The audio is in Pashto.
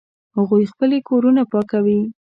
هغوی خپلې کورونه پاکوي